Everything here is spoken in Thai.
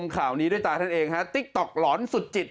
ข่าวนี้ด้วยตาท่านเองฮะติ๊กต๊อกหลอนสุดจิต